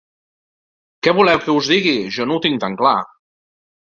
Què voleu que us digui, jo no ho tinc tan clar.